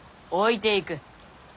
置いていく。